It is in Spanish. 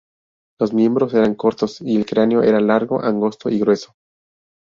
Los miembros eran cortos y el cráneo era largo, angosto y grueso.